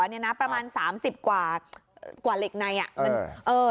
จะสร้างประมาณ๓๐กว่าเหล็กไน